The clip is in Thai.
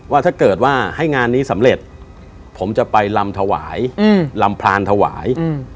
ว่าถ้าเกิดว่าให้งานนี้สำเร็จผมจะไปลำถวายลำพรานถวาย